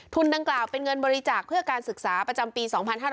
ดังกล่าวเป็นเงินบริจาคเพื่อการศึกษาประจำปี๒๕๕๙